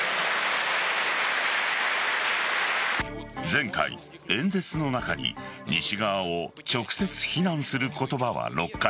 前回、演説の中に西側を直接非難する言葉は６回。